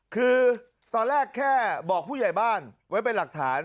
คือตอนแรกแค่บอกผู้ใหญ่บ้านไว้เป็นหลักฐาน